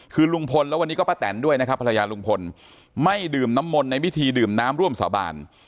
คือลุงพลแล้ววันนี้ก็ป้าแตนด้วยนะครับภรรยาลุงพลไม่ดื่มน้ำมนต์ในพิธีดื่มน้ำร่วมสาบาน